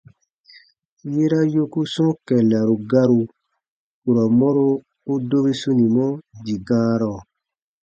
Yera yoku sɔ̃ɔ kɛllaru garu, kurɔ mɔro u dobi sunimɔ dii gãarɔ.